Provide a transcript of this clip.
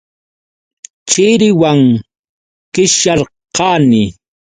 Chiriwan qishyarqani.